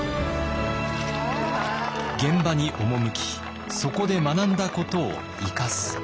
現場に赴きそこで学んだことを生かす。